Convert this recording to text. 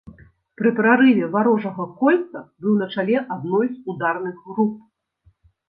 Пры прарыве варожага кольца быў на чале адной з ударных груп.